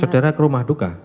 saudara ke rumah duka